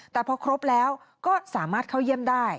แต่พอครบแล้วก็สามารถเข้าเยี่ยมได้